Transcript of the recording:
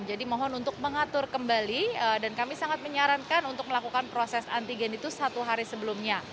jadi mohon untuk mengatur kembali dan kami sangat menyarankan untuk melakukan proses antigen itu satu hari sebelumnya